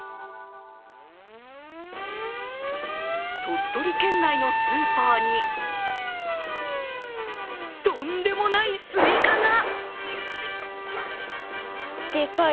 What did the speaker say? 鳥取県内のスーパーにとんでもないスイカが！